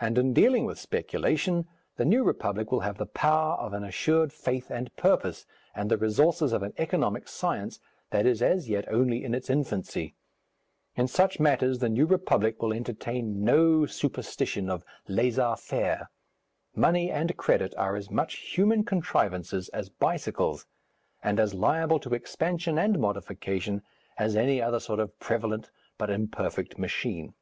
And, in dealing with speculation, the New Republic will have the power of an assured faith and purpose, and the resources of an economic science that is as yet only in its infancy. In such matters the New Republic will entertain no superstition of laissez faire. Money and credit are as much human contrivances as bicycles, and as liable to expansion and modification as any other sort of prevalent but imperfect machine.